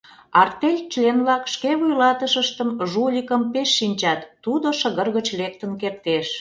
Артель член-влак шке вуйлатышыштым, жуликым, пеш шинчат — тудо шыгыр гыч лектын кертеш.